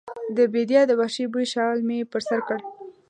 د بیدیا د وحشي بوی شال مې پر سر کړ